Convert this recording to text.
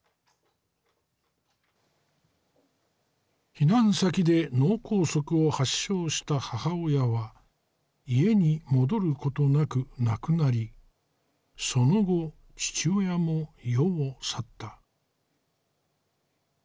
避難先で脳梗塞を発症した母親は家に戻ることなく亡くなりその後父親も世を去った。